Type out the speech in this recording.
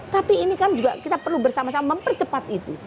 tapi ini kan juga kita perlu bersama sama mempercepat itu